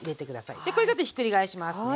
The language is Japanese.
でこれちょっとひっくり返しますね。